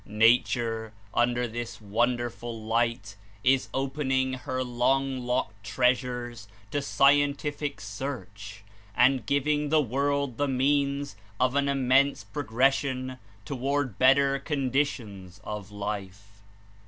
Nature, under this wonderful light, is opening her long locked treasures to scientific search and giving the world the means of an immense pro gression toward better conditions of life.